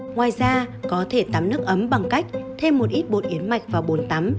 ngoài ra có thể tắm nước ấm bằng cách thêm một ít bột yến mạch và bột tắm